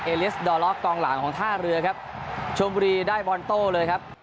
เลีสดอล็อกกองหลังของท่าเรือครับชมบุรีได้บอลโต้เลยครับ